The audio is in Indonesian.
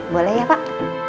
boleh ya pak